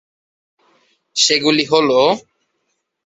সেগুলি হলোঃ